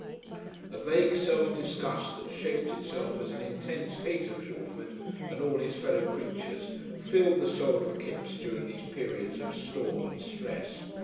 A vague self disgust, that shaped itself as an intense hate of Shalford and all his fellow creatures, filled the soul of Kipps during these periods of storm and stress.